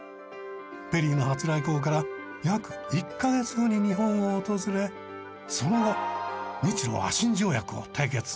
ペリーの初来航から約１カ月後に日本を訪れその後日露和親条約を締結。